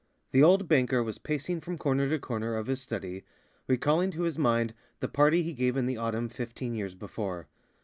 The old banker was pacing from corner to corner of his study, recalling to his mind the party he gave in the autumn fifteen years before.